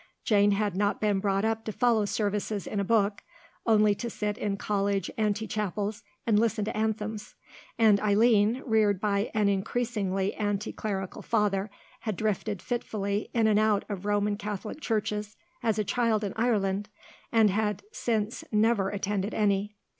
Jane had not been brought up to follow services in a book, only to sit in college ante chapels and listen to anthems; and Eileen, reared by an increasingly anti clerical father, had drifted fitfully in and out of Roman Catholic churches as a child in Ireland, and had since never attended any.